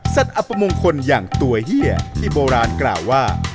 อัปมงคลอย่างตัวเฮียที่โบราณกล่าวว่า